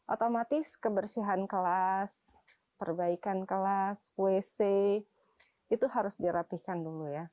otomatis kebersihan kelas perbaikan kelas wc itu harus dirapihkan dulu ya